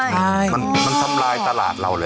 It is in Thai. มันสัมปรายตลาดเราเลย